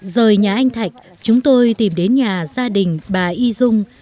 rời nhà anh thạch chúng tôi tìm đến nhà gia đình bà y dung